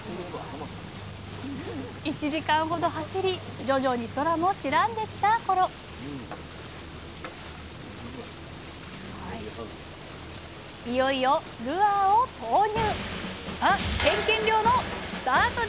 １時間ほど走り徐々に空も白んできた頃いよいよルアーを投入！